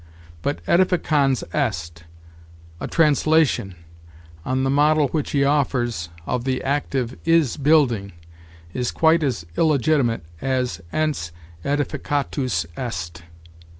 But ædificans est, a translation, on the model which he offers, of the active is building, is quite as illegitimate as ens æedificatus est.